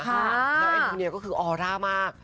แล้วเอ็นทูเนียก็คือออร่ามาก